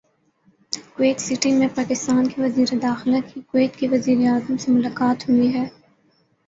Kuwait city میں پاکستان کے وزیر داخلہ کی کویت کے وزیراعظم سے ملاقات ہوئی ہے